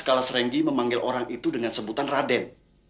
kalas renggi memanggil orang itu dengan sebutan raden